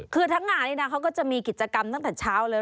คือทั้งงานนี้นะเขาก็จะมีกิจกรรมตั้งแต่เช้าเลย